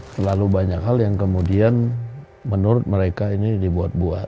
terlalu banyak hal yang kemudian menurut mereka ini dibuat buat